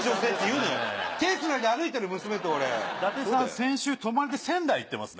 先週泊まりで仙台行ってますね？